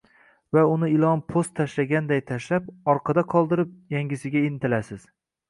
Va uni ilon po’st tashlaganday tashlab, orqada qoldirib, yangisiga intilasiz.